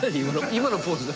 今のポーズ何？